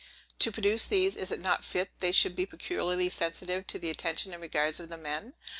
To produce these, is it not fit they should be peculiarly sensible to the attention and regards of the men?